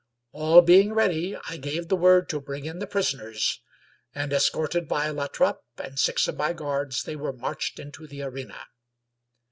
All being ready I gave the word to bring in the prisoners, and escorted by La Trape and six of my guards, they were marched into the arena.